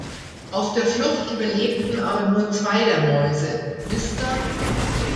Auf der Flucht überlebten aber nur zwei der Mäuse: Mr.